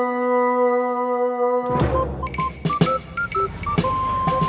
mau tanya apa